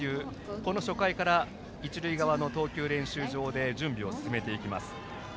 この初回から一塁側の投球練習場で準備を進めていきます。